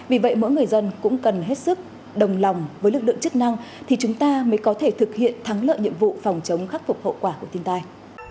vì vậy mỗi người dân cũng cần hết sức đồng lòng với lực lượng chức năng thì chúng ta mới có thể thực hiện thắng lợi nhiệm vụ phòng chống khắc phục hậu quả của thiên tai